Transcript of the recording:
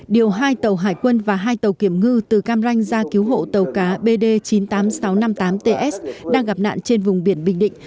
điều hai tàu hải quân và hai tàu kiểm ngư từ cam ranh ra cứu hộ tàu cá bd chín mươi tám nghìn sáu trăm năm mươi tám ts đang gặp nạn trên vùng biển bình định